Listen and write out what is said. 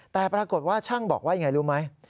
แต่ปรากฏว่าช่างบอกว่าอย่างไรรู้ไหม